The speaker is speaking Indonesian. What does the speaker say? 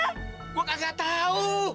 gue gak tau